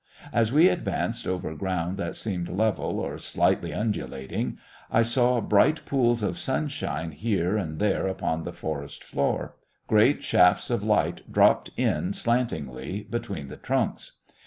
As we advanced over ground that seemed level, or slightly undulating, I saw bright pools of sunshine here and there upon the forest floor. Great shafts of light dropped in slantingly between the trunks.